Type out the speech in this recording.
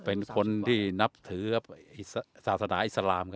เป็นคนที่นับถือศาสนาอิสลาม